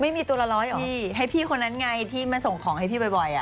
ไม่มีตัวละร้อยหรอกพี่ให้พี่คนนั้นไงที่มาส่งของให้พี่บ่อยอ่ะ